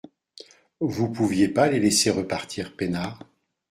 Vous pouviez pas les laisser repartir peinards ?